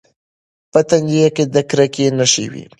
په تندي یې د کرکې نښې وې.